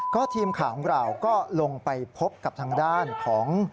ทีมข่าวของเราก็ลงไปพบกับทางด้านของ